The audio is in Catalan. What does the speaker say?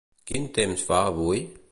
Quin temps fa avui?